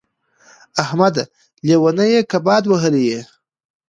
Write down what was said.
احمده! لېونی يې که باد وهلی يې.